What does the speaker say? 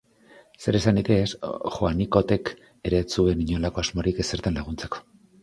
Zer esanik ez, Joanikotek ere ez zuen inolako asmorik ezertan laguntzeko.